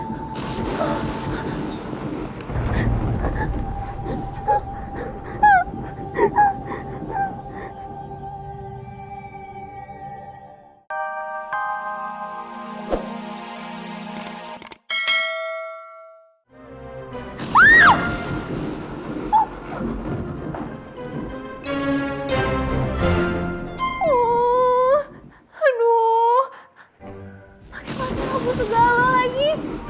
bagaimana aku segala lagi